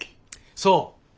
そう。